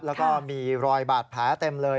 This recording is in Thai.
แล้วก็มีรอยบาดแผลเต็มเลย